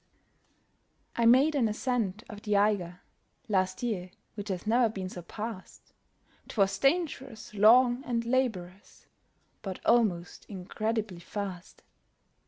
I made an ascent of the Eiger Last year, which has ne'er been surpassed; 'Twas dangerous, long, and laborious, But almost incredibly fast.